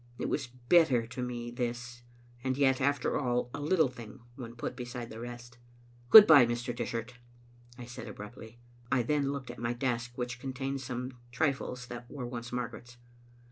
It was bitter to me this, and yet, after all, a little thing when put beside the rest. "Good by, Mr. Dishart," I said abruptly. I then looked at my desk, which contained some trifles that were once Margaret's.